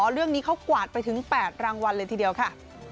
เรื่องนี้เขากวาดไปถึง๘รางวัลเลยทีเดียวค่ะ